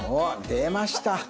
出ました！